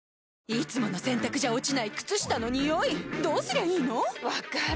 いつもの洗たくじゃ落ちない靴下のニオイどうすりゃいいの⁉分かる。